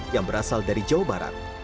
yang berasal dari jawa barat